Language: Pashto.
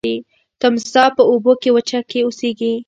تمساح په اوبو او وچه کې اوسیږي